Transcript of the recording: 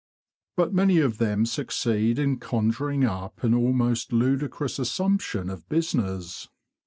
But many of them succeed in conjuring up an almost ludicrous assumption of business.